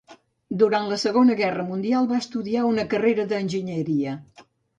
Durant la Segona Guerra Mundial va estudiar una carrera d'enginyeria.